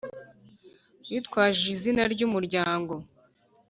bitwaje izina ry’umuryango